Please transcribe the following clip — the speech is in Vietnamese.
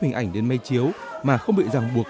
hình ảnh đến máy chiếu mà không bị ràng buộc